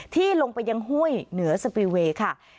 ที่ลงไปยังห้วยเหนือสปีเวย์ค่ะ